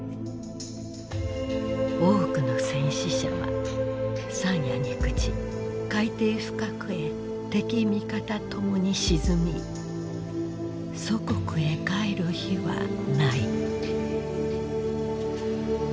多くの戦死者は山野に朽ち海底深くへ敵味方ともに沈み祖国へ還る日はない」。